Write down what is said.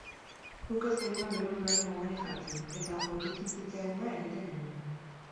Guk ez genion geure buruari mugarik jartzen, eta otutzen zitzaiguna egiten genuen.